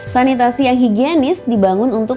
sanitasi yang higienis dibangun untuk